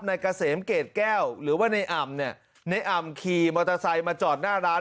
เกษมเกรดแก้วหรือว่าในอ่ำเนี่ยในอ่ำขี่มอเตอร์ไซค์มาจอดหน้าร้าน